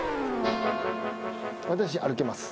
私歩けます。